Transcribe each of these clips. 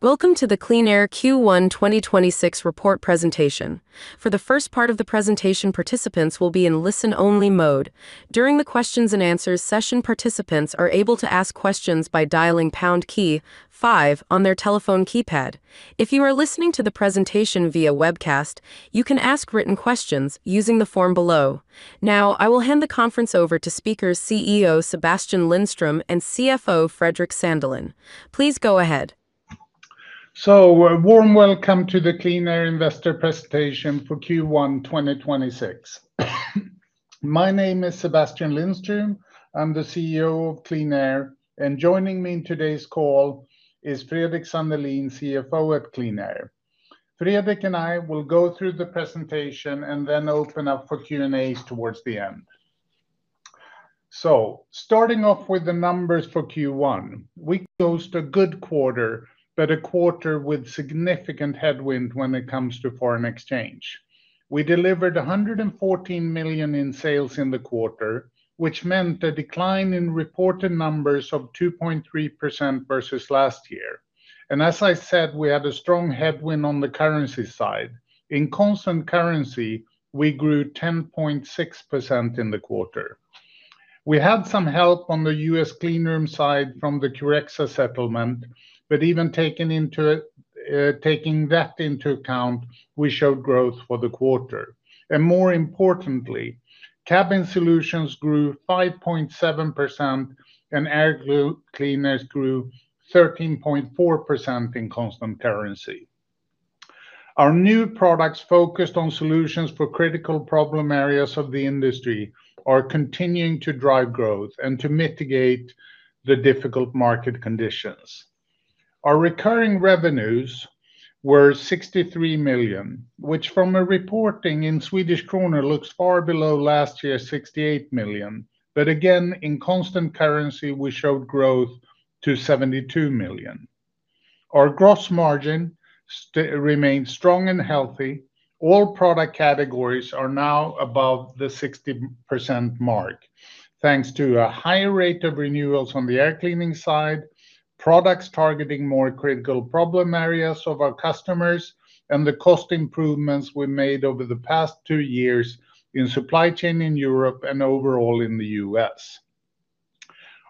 Welcome to the QleanAir Q1 2026 report presentation. For the first part of the presentation, participants will be in listen-only mode. During the question-and-answer session, participants are able to ask questions by dialing pound key five on their telephone keypad. If you are listening to the presentation via webcast, you can ask written questions using the form below. Now, I will hand the conference over to speakers, CEO Sebastian Lindström and CFO Fredrik Sandelin. Please go ahead. A warm welcome to the QleanAir investor presentation for Q1 2026. My name is Sebastian Lindström. I'm the CEO of QleanAir, and joining me in today's call is Fredrik Sandelin, CFO at QleanAir. Fredrik and I will go through the presentation and then open up for Q&As towards the end. Starting off with the numbers for Q1. We closed a good quarter, but a quarter with significant headwind when it comes to foreign exchange. We delivered 114 million in sales in the quarter, which meant a decline in reported numbers of 2.3% versus last year. As I said, we had a strong headwind on the currency side. In constant currency, we grew 10.6% in the quarter. We had some help on the U.S. Cleanroom side from the Curexa settlement. Even taking that into account, we showed growth for the quarter. More importantly, Cabin Solutions grew 5.7%, and Air Cleaners grew 13.4% in constant currency. Our new products, focused on solutions for critical problem areas of the industry are continuing to drive growth and to mitigate the difficult market conditions. Our recurring revenues were 63 million, which, from a reporting in Swedish krona, looks far below last year's 68 million. Again, in constant currency, we showed growth to 72 million. Our gross margin remains strong and healthy. All product categories are now above the 60% mark, thanks to a high rate of renewals on the air cleaning side, products targeting more critical problem areas of our customers, and the cost improvements we made over the past two years in supply chain in Europe, and overall in the U.S.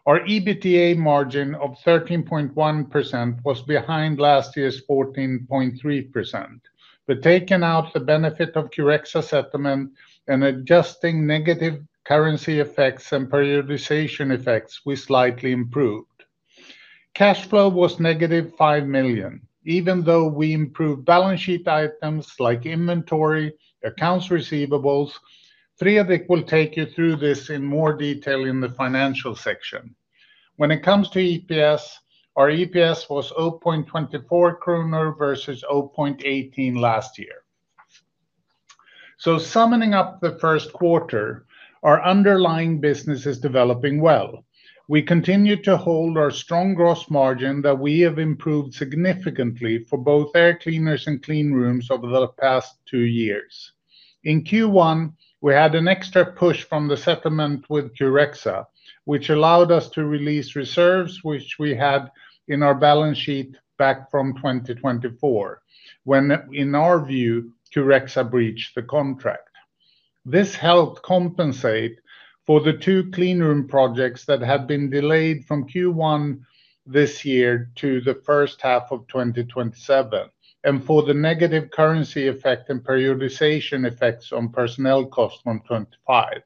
Our EBITDA margin of 13.1% was behind last year's 14.3%. Taking out the benefit of Curexa settlement and adjusting negative currency effects and periodization effects, we slightly improved. Cash flow was -5 million, even though we improved balance sheet items like inventory, accounts receivables. Fredrik will take you through this in more detail in the financial section. When it comes to EPS, our EPS was 0.24 kronor versus 0.18 last year. Summoning up the first quarter, our underlying business is developing well. We continue to hold our strong gross margin that we have improved significantly for both Air Cleaners and Cleanrooms over the past two years. In Q1, we had an extra push from the settlement with Curexa, which allowed us to release reserves which we had in our balance sheet back from 2024, when, in our view, Curexa breached the contract. This helped compensate for the two cleanroom projects that had been delayed from Q1 this year to the first half of 2027 and for the negative currency effect and periodization effects on personnel cost from 2025.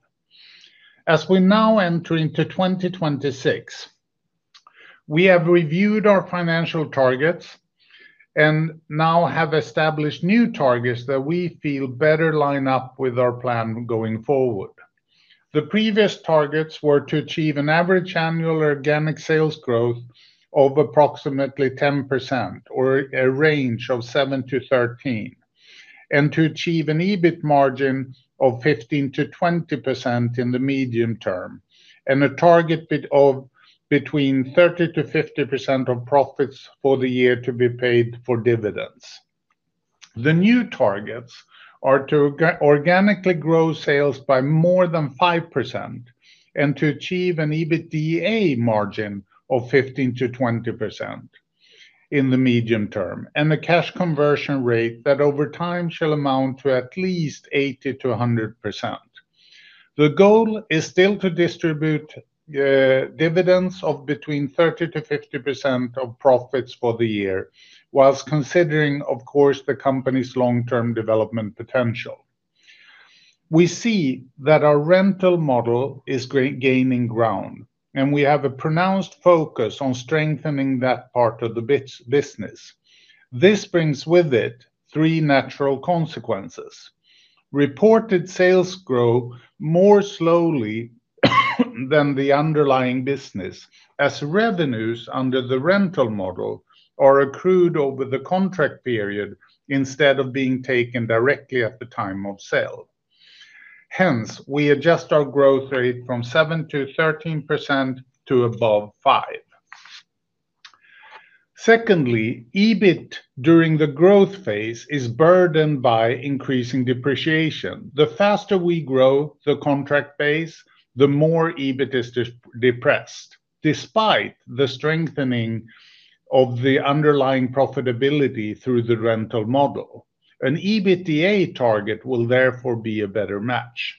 As we now enter into 2026, we have reviewed our financial targets and now have established new targets that we feel better line up with our plan going forward. The previous targets were to achieve an average annual organic sales growth of approximately 10% or a range of 7%-13%, and to achieve an EBIT margin of 15%-20% in the medium term, and a target bit of between 30%-50% of profits for the year to be paid for dividends. The new targets are to organically grow sales by more than 5% and to achieve an EBITDA margin of 15%-20% in the medium term, and a cash conversion rate that, over time, shall amount to at least 80%-100%. The goal is still to distribute dividends of between 30%-50% of profits for the year, whilst considering, of course, the company's long-term development potential. We see that our rental model is gaining ground, and we have a pronounced focus on strengthening that part of the business. This brings with it three natural consequences. Reported sales grow more slowly than the underlying business, as revenues under the rental model are accrued over the contract period instead of being taken directly at the time of sale. Hence, we adjust our growth rate from 7%-13% to above 5%. Secondly, EBIT during the growth phase is burdened by increasing depreciation. The faster we grow the contract base, the more EBIT is depressed despite the strengthening of the underlying profitability through the rental model. An EBITDA target will therefore be a better match.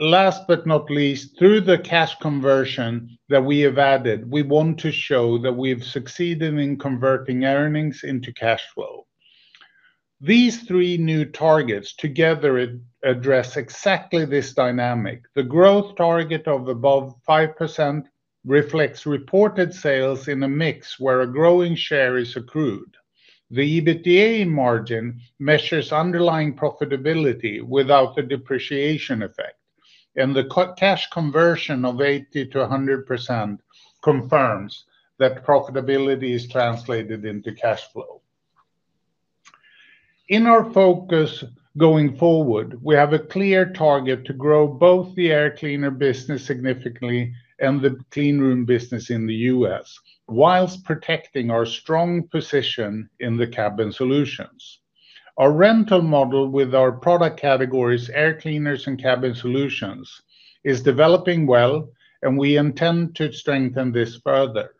Last but not least, through the cash conversion that we have added, we want to show that we've succeeded in converting earnings into cash flow. These three new targets together address exactly this dynamic. The growth target of above 5% reflects reported sales in a mix where a growing share is accrued. The EBITDA margin measures underlying profitability without the depreciation effect, and the cash conversion of 80%-100% confirms that profitability is translated into cash flow. In our focus going forward, we have a clear target to grow both the Air Cleaner business significantly and the Cleanroom business in the U.S., whilst protecting our strong position in the Cabin Solutions. Our rental model with our product categories, Air Cleaners and Cabin Solutions, is developing well, and we intend to strengthen this further.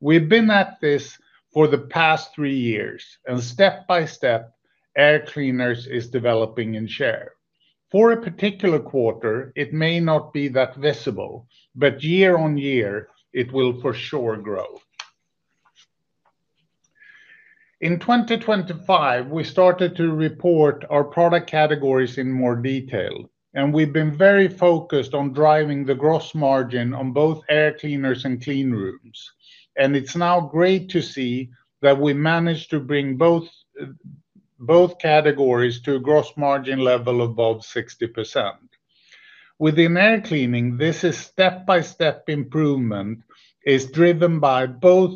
We've been at this for the past three years, and step by step, Air Cleaners is developing in share. For a particular quarter, it may not be that visible, but year-over-year it will for sure grow. In 2025, we started to report our product categories in more detail. We've been very focused on driving the gross margin on both Air Cleaners and Cleanrooms. It's now great to see that we managed to bring both categories to a gross margin level above 60%. Within air cleaning, this is step-by-step improvement, is driven by both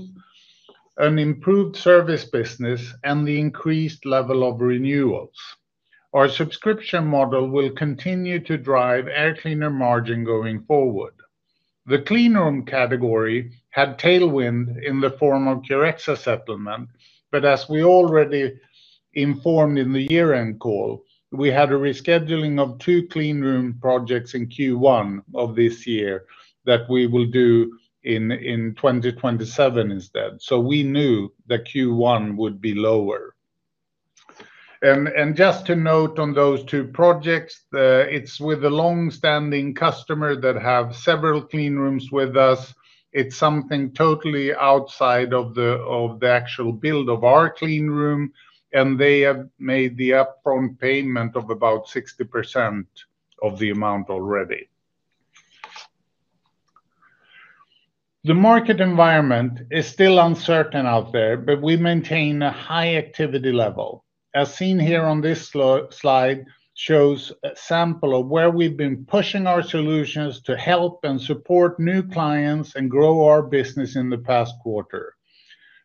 an improved service business and the increased level of renewals. Our subscription model will continue to drive Air Cleaner margin going forward. The cleanroom category had tailwind in the form of Curexa settlement. As we already informed in the year-end call, we had a rescheduling of two cleanroom projects in Q1 of this year that we will do in 2027 instead. We knew that Q1 would be lower. Just to note on those two projects, it's with a long-standing customer that have several cleanrooms with us. It's something totally outside of the actual build of our cleanroom; they have made the upfront payment of about 60% of the amount already. The market environment is still uncertain out there, we maintain a high activity level. As seen here on this slide, shows a sample of where we've been pushing our solutions to help and support new clients and grow our business in the past quarter.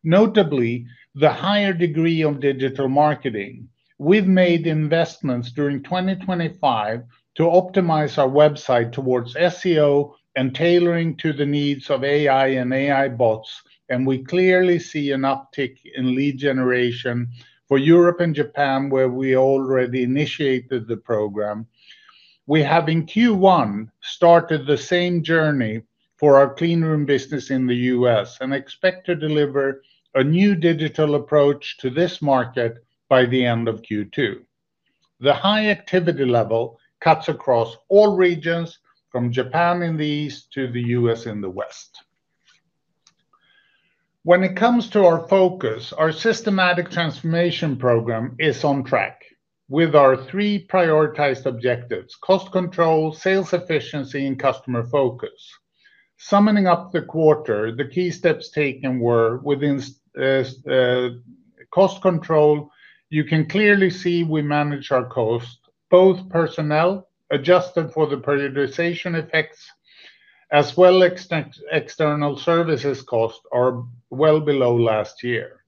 Notably, the higher degree of digital marketing. We've made investments during 2025 to optimize our website towards SEO and tailoring to the needs of AI and AI bots. We clearly see an uptick in lead generation for Europe and Japan, where we already initiated the program. We have, in Q1, started the same journey for our Cleanroom business in the U.S. and expect to deliver a new digital approach to this market by the end of Q2. The high activity level cuts across all regions from Japan in the east to the U.S. in the west. When it comes to our focus, our systematic transformation program is on track with our three prioritized objectives: cost control, sales efficiency, and customer focus. Summing up the quarter, the key steps taken were within cost control. You can clearly see we manage our cost, both personnel, adjusted for the periodization effects, as well external services cost are well below last year.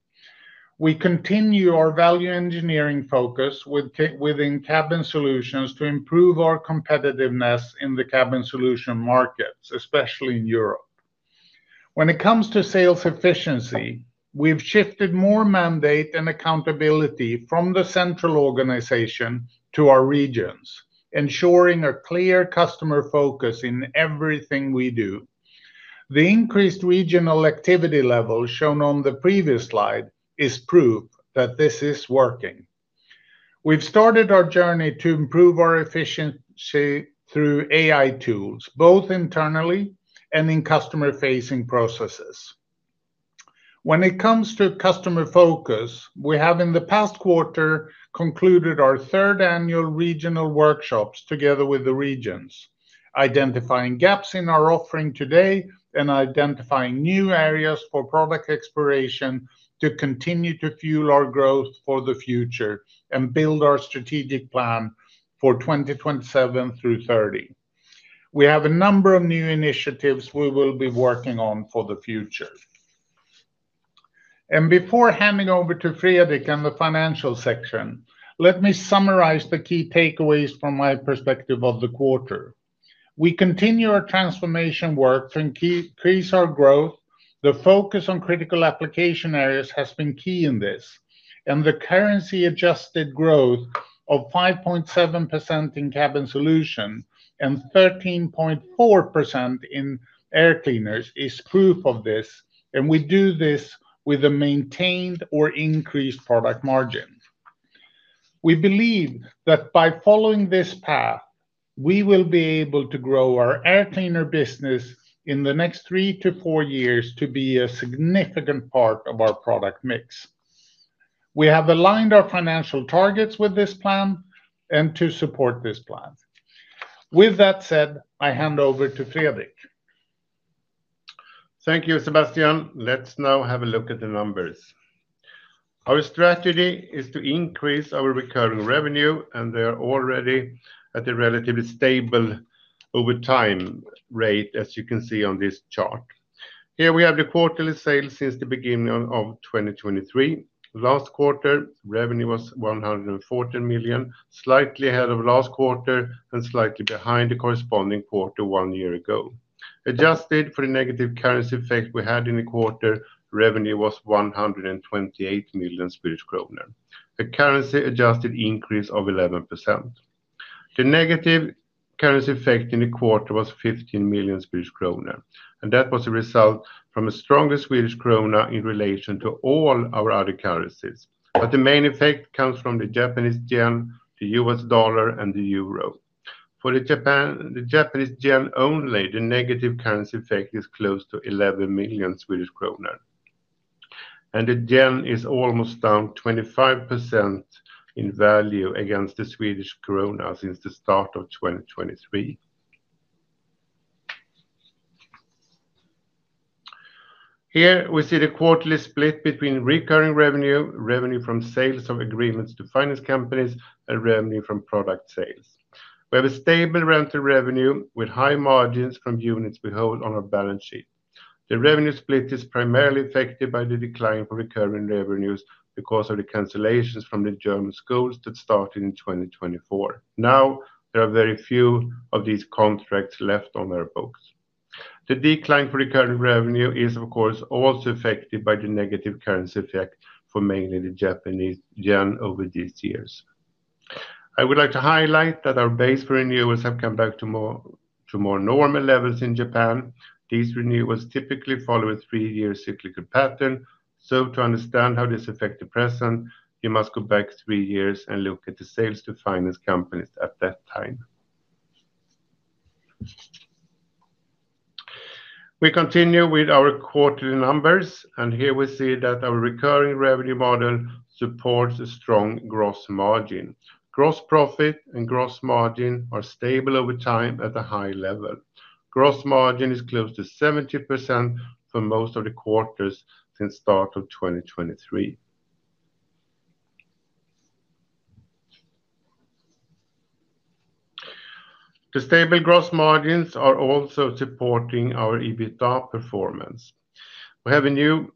We continue our value engineering focus within Cabin Solutions to improve our competitiveness in the Cabin Solutions markets, especially in Europe. When it comes to sales efficiency, we've shifted more mandate and accountability from the central organization to our regions, ensuring a clear customer focus in everything we do. The increased regional activity level shown on the previous slide is proof that this is working. We've started our journey to improve our efficiency through AI tools, both internally and in customer-facing processes. When it comes to customer focus, we have, in the past quarter, concluded our third annual regional workshops together with the regions, identifying gaps in our offering today and identifying new areas for product exploration to continue to fuel our growth for the future and build our strategic plan for 2027 through 2030. We have a number of new initiatives we will be working on for the future. Before handing over to Fredrik and the financial section, let me summarize the key takeaways from my perspective of the quarter. We continue our transformation work to increase our growth. The focus on critical application areas has been key in this, and the currency-adjusted growth of 5.7% in Cabin Solutions and 13.4% in Air Cleaners is proof of this, and we do this with a maintained or increased product margin. We believe that by following this path, we will be able to grow our Air Cleaner business in the next 3-4 years to be a significant part of our product mix. We have aligned our financial targets with this plan and to support this plan. With that said, I hand over to Fredrik. Thank you, Sebastian. Let's now have a look at the numbers. Our strategy is to increase our recurring revenue, and they are already at a relatively stable over time rate, as you can see on this chart. Here we have the quarterly sales since the beginning of 2023. Last quarter, revenue was 114 million, slightly ahead of last quarter and slightly behind the corresponding quarter one year ago. Adjusted for the negative currency effect we had in the quarter, revenue was 128 million Swedish kronor, a currency-adjusted increase of 11%. The negative currency effect in the quarter was 15 million Swedish kronor, and that was a result from a stronger Swedish krona in relation to all our other currencies. The main effect comes from the Japanese yen, the U.S. dollar, and the euro. For the Japan, the Japanese yen only, the negative currency effect is close to 11 million Swedish kronor. The yen is almost down 25% in value against the Swedish krona since the start of 2023. Here we see the quarterly split between recurring revenue from sales of agreements to finance companies and revenue from product sales. We have a stable rental revenue with high margins from units we hold on our balance sheet. The revenue split is primarily affected by the decline for recurring revenues because of the cancellations from the German schools that started in 2024. Now, there are very few of these contracts left on their books. The decline for recurring revenue is, of course, also affected by the negative currency effect for mainly the Japanese yen, over these years. I would like to highlight that our base renewals have come back to more normal levels in Japan. These renewals typically follow a three-year cyclical pattern. To understand how this affect the present, you must go back three years and look at the sales to finance companies at that time. We continue with our quarterly numbers. Here we see that our recurring revenue model supports a strong gross margin. Gross profit and gross margin are stable over time at a high level. Gross margin is close to 70% for most of the quarters since start of 2023. The stable gross margins are also supporting our EBITDA performance. We have a new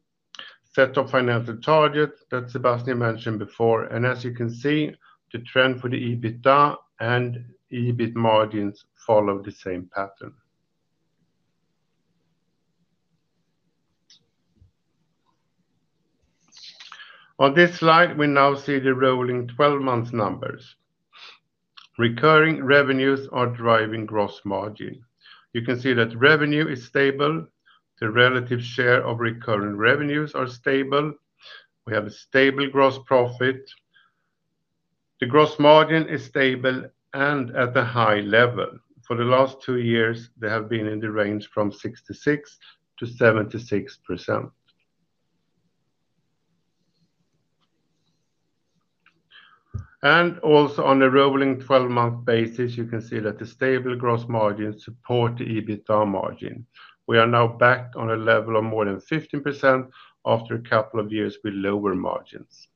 set of financial targets that Sebastian mentioned before. As you can see, the trend for the EBITDA and EBIT margins follow the same pattern. On this slide, we now see the rolling 12-month numbers. Recurring revenues are driving gross margin. You can see that revenue is stable. The relative share of recurring revenues are stable. We have a stable gross profit. The gross margin is stable and at the high level. For the last two years, they have been in the range from 66%-76%. Also on the rolling 12-month basis, you can see that the stable gross margin support the EBITDA margin. We are now back on a level of more than 15% after a couple of years with lower margins.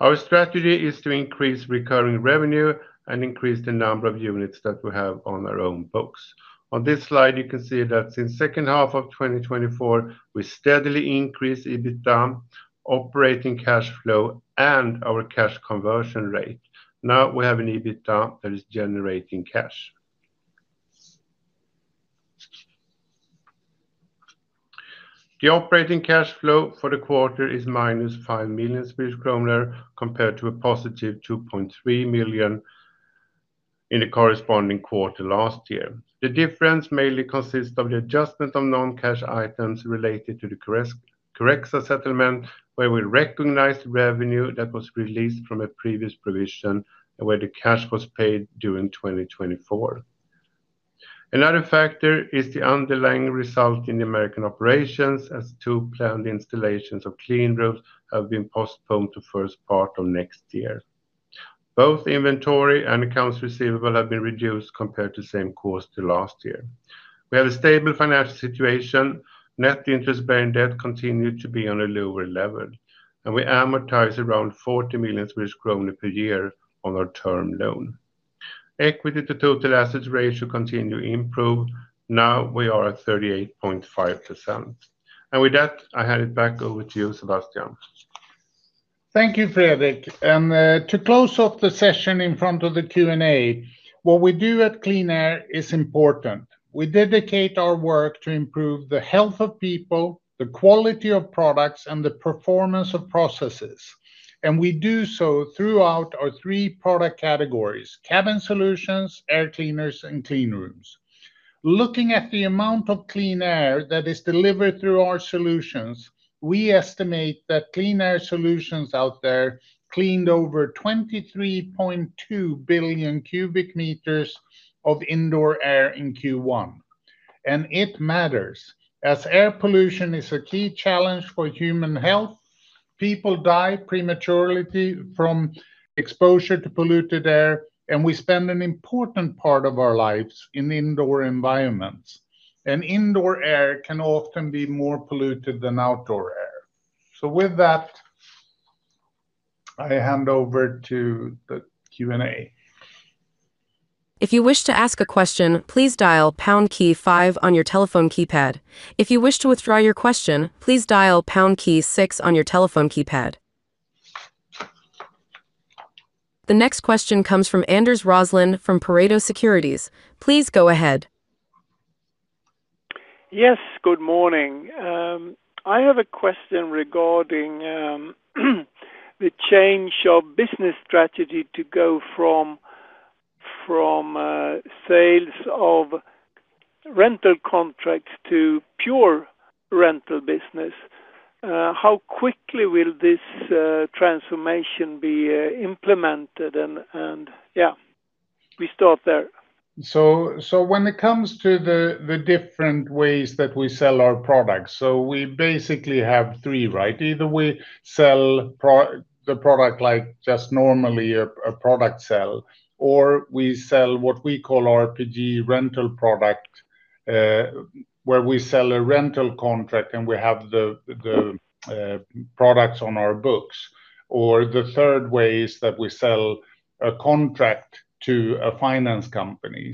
Our strategy is to increase recurring revenue and increase the number of units that we have on our own books. On this slide, you can see that since second half of 2024, we steadily increase EBITDA, operating cash flow, and our cash conversion rate. Now we have an EBITDA that is generating cash. The operating cash flow for the quarter is -5 million Swedish kronor compared to a +2.3 million in the corresponding quarter last year. The difference mainly consists of the adjustment of non-cash items related to the Curexa settlement, where we recognized revenue that was released from a previous provision where the cash was paid during 2024. Another factor is the underlying result in the American operations, as two planned installations of cleanrooms have been postponed to first part of next year. Both inventory and accounts receivable have been reduced compared to same quarter last year. We have a stable financial situation. Net interest-bearing debt continued to be on a lower level, and we amortize around 40 million Swedish kronor per year on our term loan. Equity to total assets ratio continue improve. Now we are at 38.5%. With that, I hand it back over to you, Sebastian. Thank you, Fredrik. To close off the session in front of the Q&A, what we do at QleanAir is important. We dedicate our work to improve the health of people, the quality of products, and the performance of processes. We do so throughout our three product categories: Cabin Solutions, Air Cleaners, and Cleanrooms. Looking at the amount of clean air that is delivered through our solutions, we estimate that QleanAir solutions out there cleaned over 23.2 billion cubic meters of indoor air in Q1. It matters, as air pollution is a key challenge for human health, people die prematurely from exposure to polluted air, and we spend an important part of our lives in indoor environments. Indoor air can often be more polluted than outdoor air. With that, I hand over to the Q&A. If you wish to ask a question, please dial pound key five on your telephone keypad. If you wish to withdraw your question, please dial pound key six on your telephone keypad. The next question comes from Anders Roslund from Pareto Securities. Please go ahead. Yes, good morning. I have a question regarding the change of business strategy to go from sales of rental contracts to pure rental business. How quickly will this transformation be implemented? When it comes to the different ways that we sell our products, we basically have three, right? Either we sell the product like just normally a product sell, or we sell what we call RPG rental product, where we sell a rental contract, and we have the products on our books, or the third way is that we sell a contract to a finance company.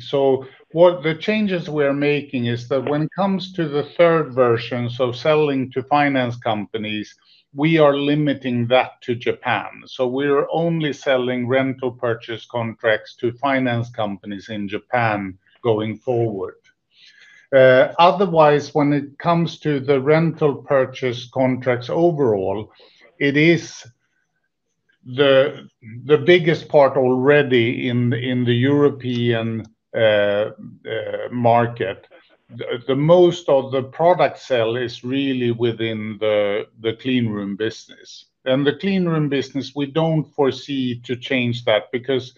What the changes we're making is that when it comes to the third version, selling to finance companies, we are limiting that to Japan. We're only selling rental purchase contracts to finance companies in Japan going forward. Otherwise, when it comes to the rental purchase contracts overall, it is the biggest part already in the European market. Most of the product sell is really within the Cleanroom business. The Cleanroom business, we don't foresee to change that because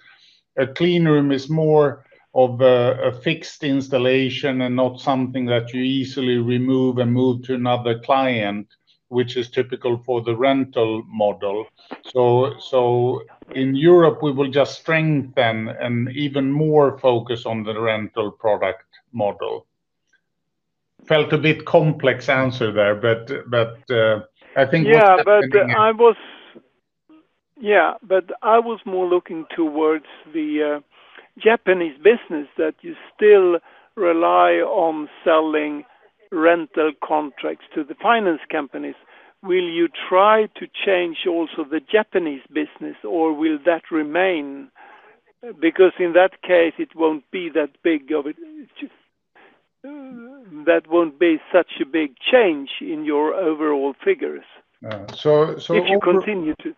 a cleanroom is more of a fixed installation and not something that you easily remove and move to another client, which is typical for the rental model. In Europe, we will just strengthen and even more focus on the rental product model. Felt a bit complex answer there. Yeah. You're getting at. I was more looking towards the Japanese business, that you still rely on selling rental contracts to the finance companies. Will you try to change also the Japanese business, or will that remain? In that case, that won't be such a big change in your overall figures. So over- If you continue to-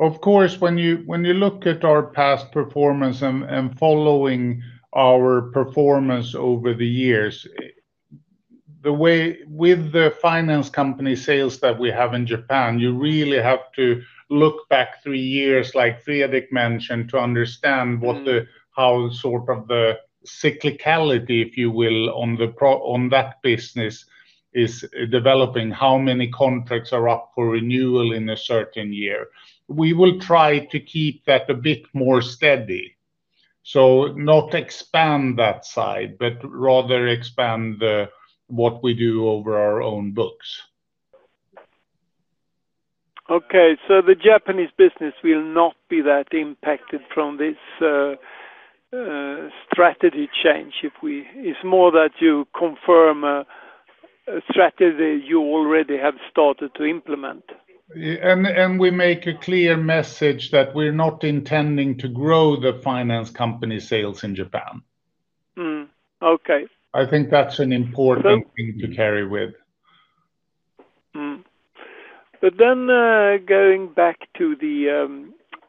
Of course, when you look at our past performance and following our performance over the years, with the finance company sales that we have in Japan, you really have to look back three years, like Fredrik mentioned, to understand how sort of the cyclicality, if you will, on that business is developing, how many contracts are up for renewal in a certain year. We will try to keep that a bit more steady, not expand that side, but rather expand what we do over our own books. Okay. The Japanese business will not be that impacted from this strategy change. It's more that you confirm a strategy you already have started to implement. Yeah. We make a clear message that we're not intending to grow the finance company sales in Japan. Okay. I think that's an important thing to carry with. Going back to the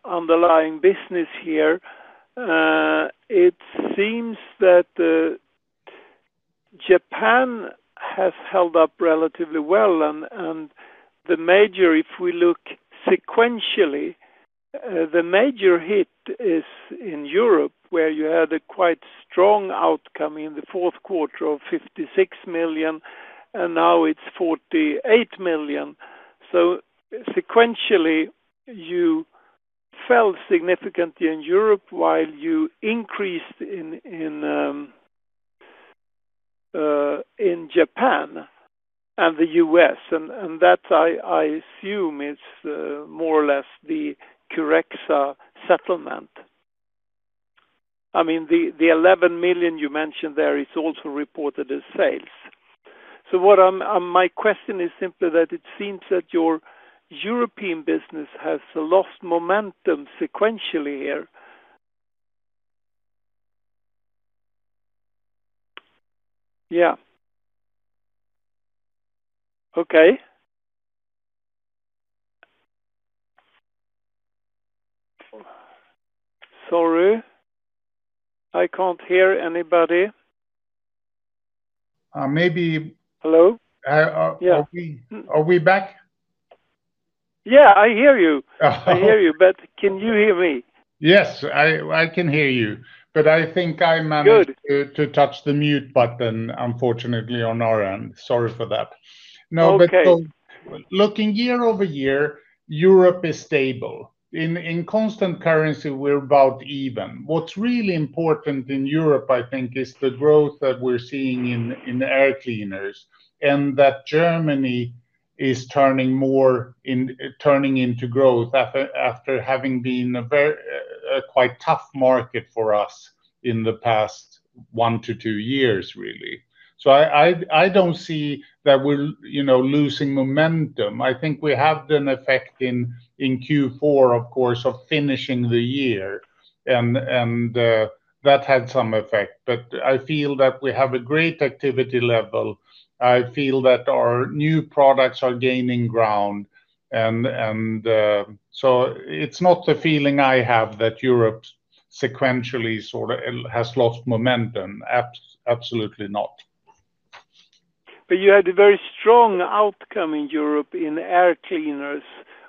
underlying business here, it seems that Japan has held up relatively well and the major, if we look sequentially, the major hit is in Europe, where you had a quite strong outcome in the fourth quarter of 56 million, and now it's 48 million. Sequentially, you fell significantly in Europe while you increased in Japan and the U.S., and that I assume is more or less the Curexa settlement. I mean, the 11 million you mentioned there is also reported as sales. My question is simply that it seems that your European business has lost momentum sequentially here. Yeah. Okay. Sorry, I can't hear anybody. Maybe- Hello? Yeah Are we back? Yeah, I hear you. I hear you, but can you hear me? Yes, I can hear you. Good But I think I'm to touch the mute button unfortunately, on our end. Sorry for that. Okay. Looking year-over-year, Europe is stable. In constant currency, we're about even. What's really important in Europe, I think, is the growth that we're seeing in Air Cleaners, and that Germany is turning into growth after having been a very, a quite tough market for us in the past one to two years, really. I don't see that we're, you know, losing momentum. I think we have an effect in Q4, of course, of finishing the year and that had some effect. I feel that we have a great activity level. I feel that our new products are gaining ground, and so it's not the feeling I have that Europe sequentially sort of has lost momentum. Absolutely not. You had a very strong outcome in Europe in Air Cleaners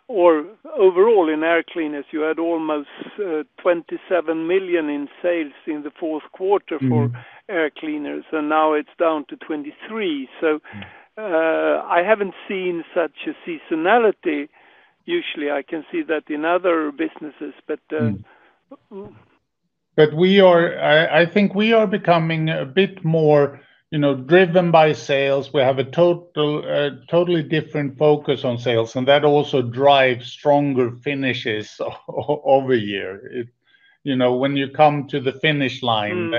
or overall in Air Cleaners. You had almost 27 million in sales in the fourth quarter For Air Cleaners, now it's down to 23. I haven't seen such a seasonality. Usually, I can see that in other businesses, but. I think we are becoming a bit more, you know, driven by sales. We have a totally different focus on sales, and that also drives stronger finishes over year. You know, when you come to the finish line.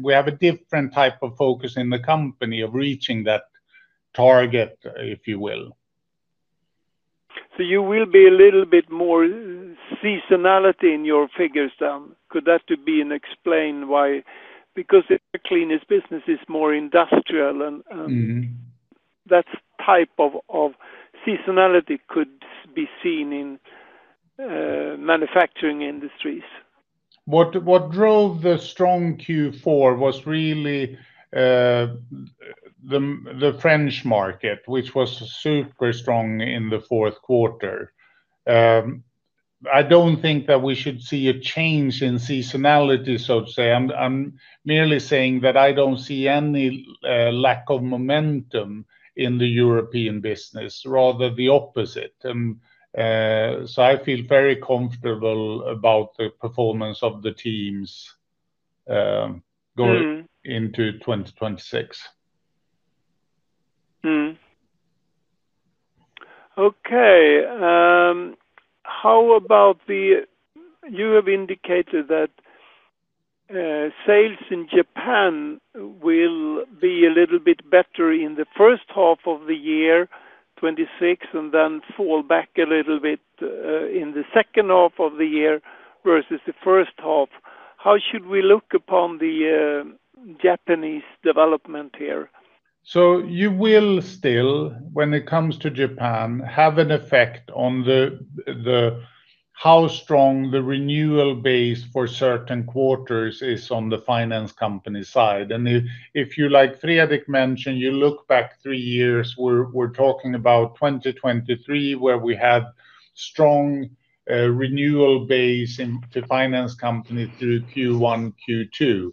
We have a different type of focus in the company of reaching that target, if you will. You will be a little bit more seasonality in your figures then. Could that to be and explain why? The Air Cleaners business is more industrial. That type of seasonality could be seen in manufacturing industries. What drove the strong Q4 was really the French market, which was super strong in the fourth quarter. I don't think that we should see a change in seasonality, so to say. I'm merely saying that I don't see any lack of momentum in the European business, rather the opposite. I feel very comfortable about the performance of the teams into 2026. Okay. How about you have indicated that sales in Japan will be a little bit better in the first half of the year 2026 and then fall back a little bit in the second half of the year, versus the first half. How should we look upon the Japanese development here? You will still, when it comes to Japan, have an effect on the how strong the renewal base for certain quarters is on the finance company side. If you, like Fredrik mentioned, you look back three years, we're talking about 2023, where we had strong renewal base in the finance company through Q1, Q2.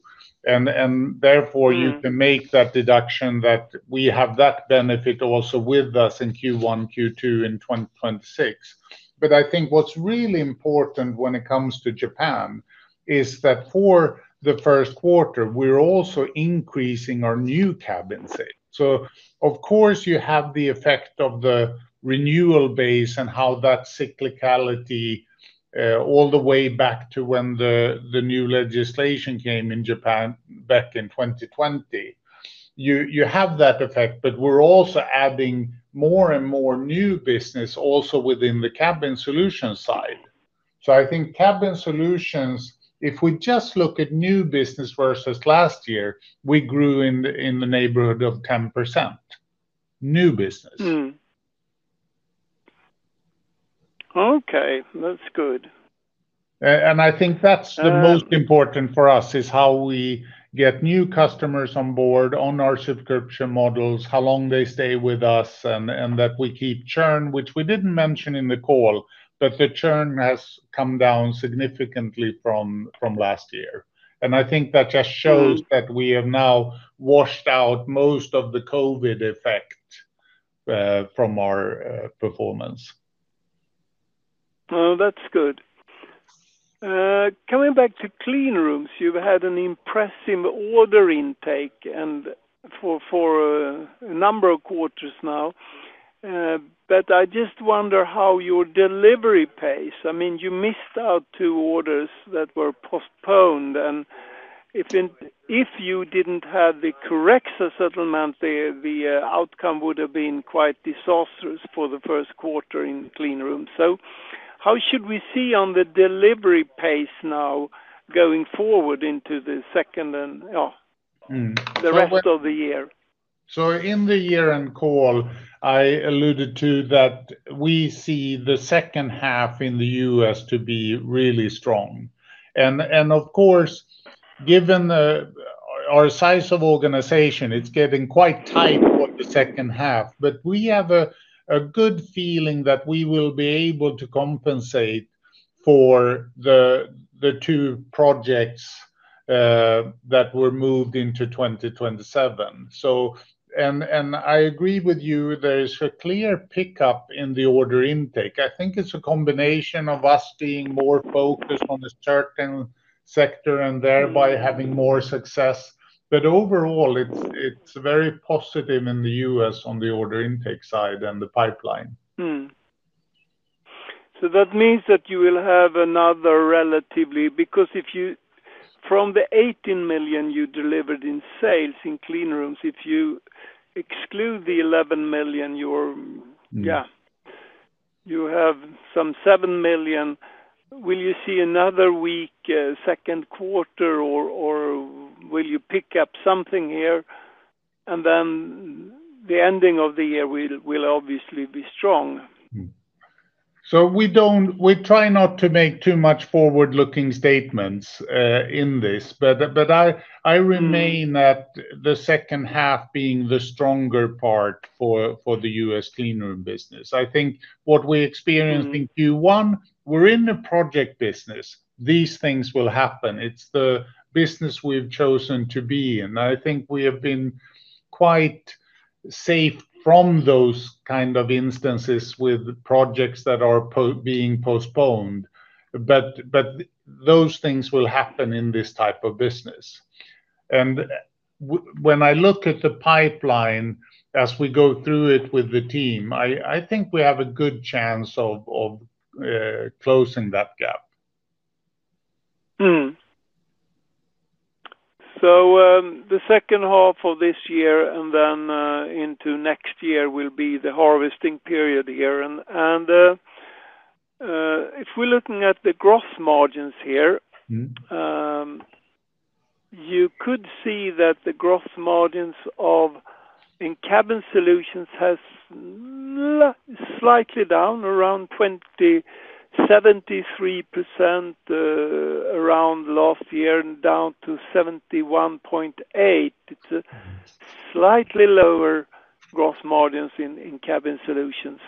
You can make that deduction that we have that benefit also with us in Q1, Q2 in 2026. I think what's really important when it comes to Japan is that for the first quarter, we're also increasing our new cabin sale. Of course, you have the effect of the renewal base and how that cyclicality all the way back to when the new legislation came in Japan back in 2020. You have that effect, but we're also adding more and more new business also within the cabin solution side. I think Cabin Solutions, if we just look at new business versus last year, we grew in the neighborhood of 10%, new business. Okay, that's good. I think that's the most important for us is how we get new customers on board on our subscription models, how long they stay with us and that we keep churn, which we didn't mention in the call, but the churn has come down significantly from last year. I think that just shows we have now washed out most of the COVID effect from our performance. Well, that's good. Coming back to Cleanrooms, you've had an impressive order intake and for a number of quarters now. I just wonder how your delivery pace, I mean, you missed out two orders that were postponed. If in, if you didn't have the Curexa settlement, the outcome would've been quite disastrous for the first quarter in Cleanroom. How should we see on the delivery pace now going forward into the second and the rest of the year? In the year-end call, I alluded to that we see the second half in the U.S. to be really strong. Of course, given our size of organization. It's getting quite tight for the second half. We have a good feeling that we will be able to compensate for the two projects that were moved into 2027. I agree with you, there is a clear pickup in the order intake. I think it's a combination of us being more focused on a certain sector and thereby having more success. Overall, it's very positive in the U.S. on the order intake side and the pipeline. That means that you will have another relatively, because if you, from the 18 million you delivered in sales in Cleanrooms, if you exclude the 11 million. You have some 7 million. Will you see another weak second quarter, or will you pick up something here, and then the ending of the year will obviously be strong? We try not to make too much forward-looking statements in this, but I remain at the second half being the stronger part for the U.S. Cleanroom business. I think what we experienced in Q1, we're in the project business, these things will happen. It's the business we've chosen to be in. I think we have been quite safe from those kind of instances with projects that are being postponed. Those things will happen in this type of business. When I look at the pipeline as we go through it with the team, I think we have a good chance of closing that gap. The second half of this year and then into next year will be the harvesting period here. If we're looking at the gross margins here. You could see that the gross margins of, in Cabin Solutions has slightly down around 73%, around last year and down to 71.8%. It's a slightly lower gross margins in Cabin Solutions.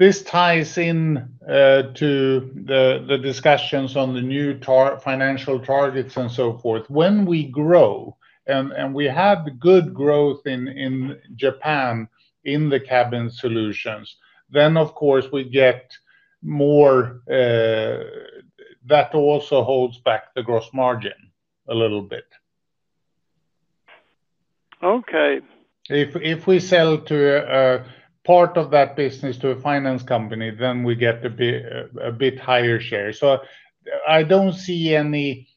This ties in to the discussions on the new financial targets and so forth. When we grow, and we have good growth in Japan in the Cabin Solutions, of course, we get more, that also holds back the gross margin a little bit. Okay. If we sell to a part of that business to a finance company, then we get a bit higher share. I don't see any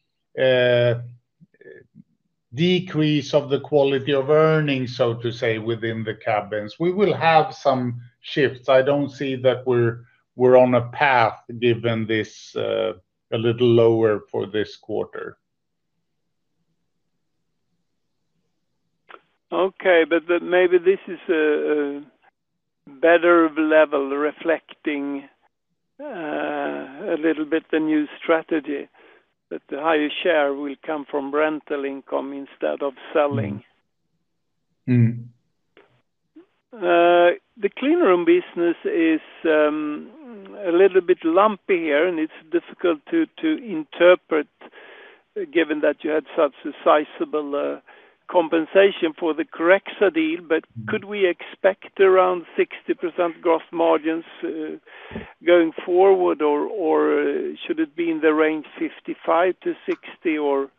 decrease of the quality of earnings, so to say, within the cabins. We will have some shifts. I don't see that we're on a path given this a little lower for this quarter. Okay. Maybe this is a better level reflecting, a little bit, the new strategy that the higher share will come from rental income instead of selling. The clean room business is a little bit lumpy here, and it's difficult to interpret, given that you had such a sizable compensation for the Curexa deal. Could we expect around 60% gross margins going forward, or should it be in the range 55%-60%, or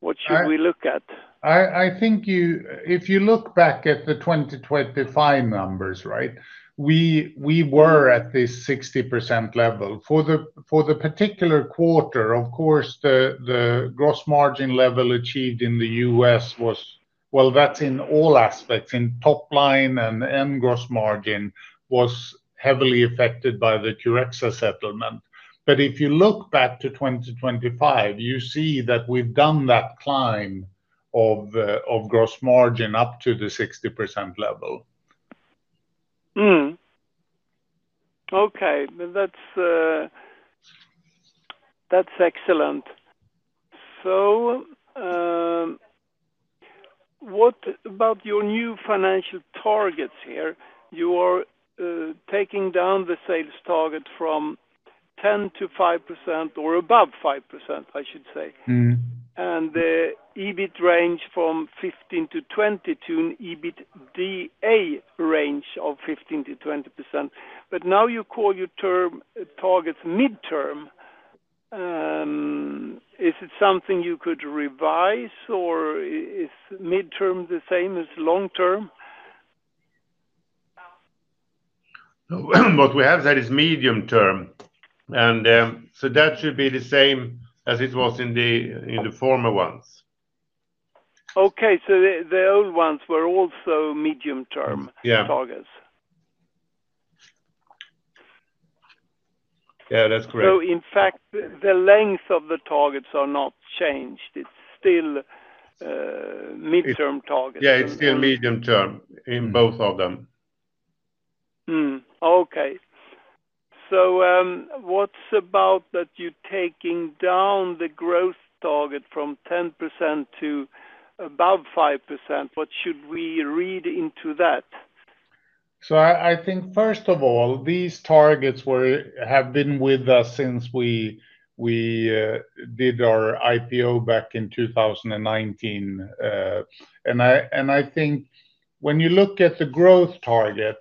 what should we look at? I think you, if you look back at the 2025 numbers, right? We were at this 60% level. For the particular quarter, of course, the gross margin level achieved in the U.S. was, well, that's in all aspects, in top line and end gross margin, was heavily affected by the Curexa settlement. If you look back to 2025, you see that we've done that climb of gross margin up to the 60% level. Okay. That's excellent. What about your new financial targets here? You are taking down the sales target from 10 to 5% or above 5%, I should say. The EBIT range from 15%-20% to an EBITDA range of 15%-20%. Now you call your term targets midterm. Is it something you could revise, or is midterm the same as long-term? What we have said is medium-term. That should be the same as it was in the former ones. Okay. The old ones were also medium-term. Yeah Targets. Yeah, that's correct. In fact, the length of the targets are not changed. It's still midterm targets. Yeah, it's still medium-term in both of them. What's about that you taking down the growth target from 10% to above 5%? What should we read into that? I think first of all, these targets have been with us since we did our IPO back in 2019. I think when you look at the growth target,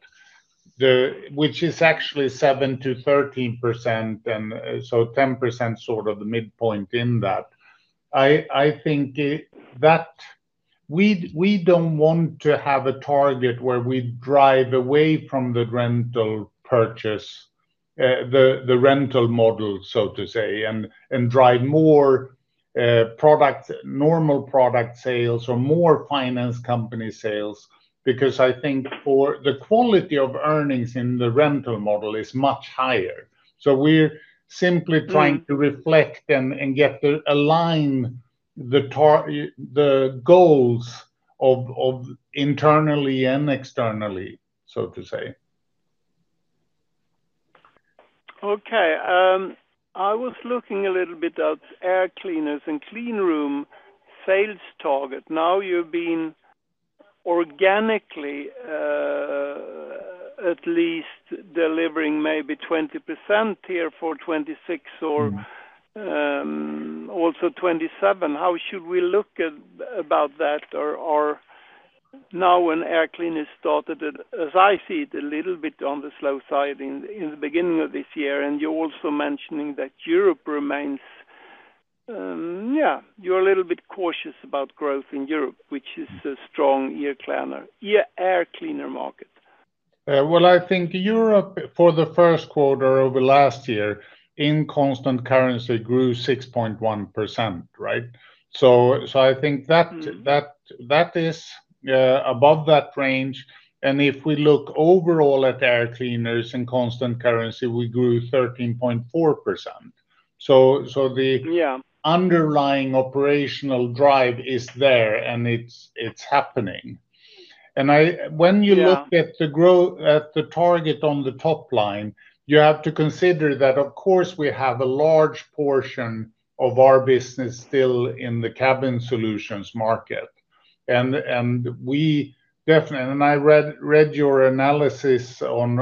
which is actually 7%-13%, and so 10% sort of the midpoint in that, I think that we don't want to have a target where we drive away from the rental purchase, the rental model, so to say, and drive more product, normal product sales or more finance company sales because I think for the quality of earnings in the rental model is much higher. We're simply trying to reflect and get the align the goals of internally and externally, so to say. Okay. I was looking a little bit at Air Cleaners and Cleanrooms sales target. Now you're being organically, at least delivering maybe 20% here for 2026. Also 2027. How should we look at, about that or now, when Air Cleaners started, as I see it, a little bit on the slow side in the beginning of this year? You're also mentioning that Europe remains. Yeah, you're a little bit cautious about growth in Europe, which is a strong Air Cleaners market. Well, I think Europe for the first quarter over last year in constant currency grew 6.1%, right? I think that is above that range. If we look overall at Air Cleaners in constant currency, we grew 13.4%. Yeah So the underlying operational drive is there, and it's happening. Yeah When you look at the target on the top line, you have to consider that, of course, we have a large portion of our business still in the Cabin Solutions market. We definitely I read your analysis on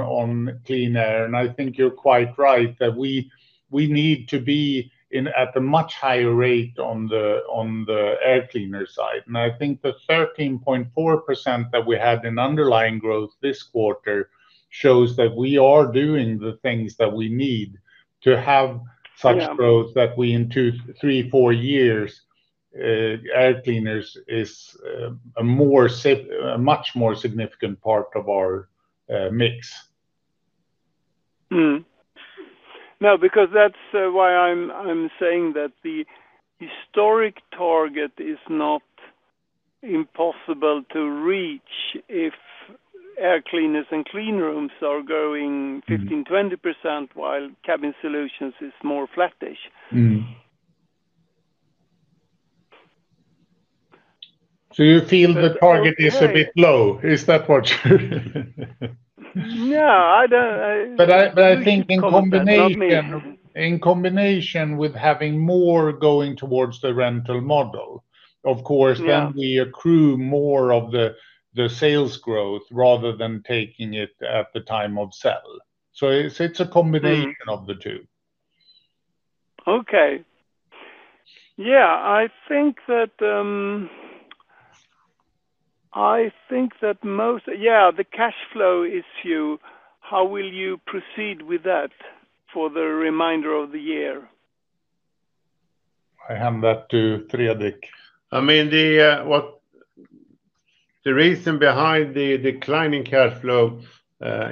QleanAir, and I think you're quite right that we need to be in at a much higher rate on the Air Cleaners side. I think the 13.4% that we had in underlying growth this quarter shows that we are doing the things that we need to have such growth that we in two, three, four years, Air Cleaners is a much more significant part of our mix. That's why I'm saying that the historic target is not impossible to reach if Air Cleaners and Cleanrooms are growing 15%-20% while Cabin Solutions is more flattish. You feel the target is a bit low? Is that what you? No, I don't. I think in combination. You can call it that. Not me In combination with having more going towards the rental model, of course. Yeah We accrue more of the sales growth rather than taking it at the time of sale. It's a combination of the two. Okay. Yeah. The cash flow issue: how will you proceed with that for the remainder of the year? I hand that to Fredrik. I mean, the what the reason behind the declining cash flow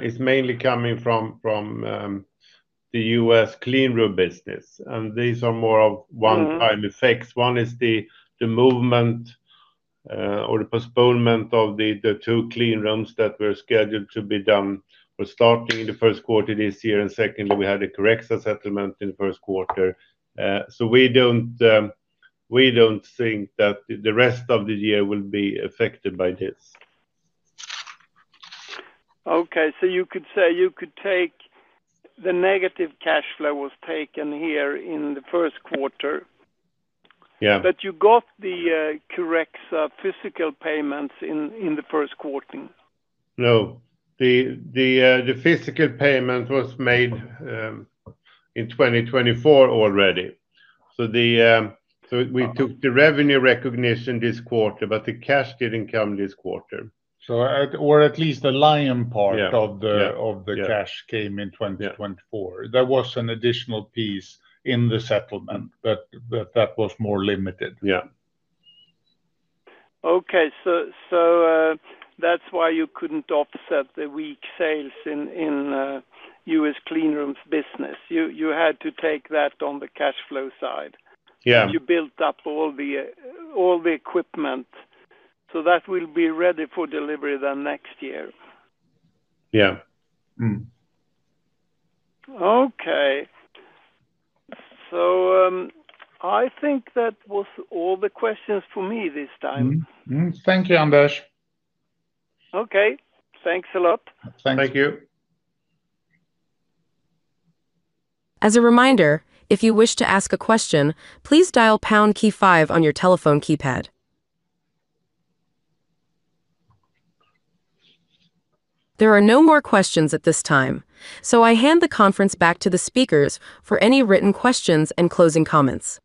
is mainly coming from the U.S. Cleanroom business, and these are more of one-time effects. One is the movement or the postponement of the two Cleanrooms that were scheduled to be done or starting in the first quarter this year. Second, we had a Curexa settlement in the first quarter. We don't think that the rest of the year will be affected by this. Okay. You could say you could take the negative cash flow was taken here in the first quarter. Yeah You got the correct physical payments in the first quarter? No. The physical payment was made in 2024 already. We took the revenue recognition this quarter, but the cash didn't come this quarter. Or at least the lion part of the cash came in 2024. Yeah. There was an additional piece in the settlement, but that was more limited. Yeah. Okay. That's why you couldn't offset the weak sales in U.S. Cleanroom's business. You had to take that on the cash flow side. Yeah. You built up all the, all the equipment, so that will be ready for delivery then next year. Yeah. Okay. I think that was all the questions for me this time. Thank you, Anders. Okay. Thanks a lot. Thanks. Thank you. There are no more questions at this time. I hand the conference back to the speakers for any written questions and closing comments.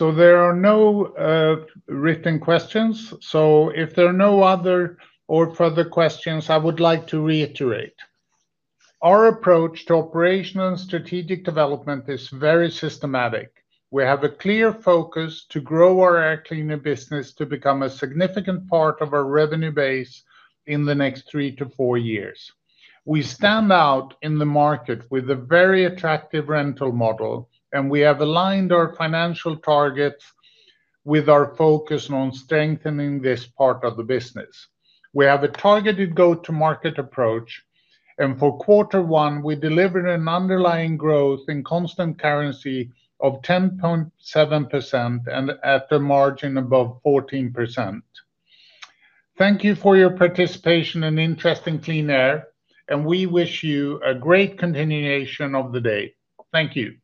There are no written questions. If there are no other or further questions, I would like to reiterate. Our approach to operational and strategic development is very systematic. We have a clear focus to grow our Air Cleaners business to become a significant part of our revenue base in the next 3-4 years. We stand out in the market with a very attractive rental model, and we have aligned our financial targets with our focus on strengthening this part of the business. We have a targeted go-to-market approach, and for quarter one, we delivered an underlying growth in constant currency of 10.7% and at a margin above 14%. Thank you for your participation and interest in QleanAir, and we wish you a great continuation of the day. Thank you.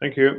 Thank you.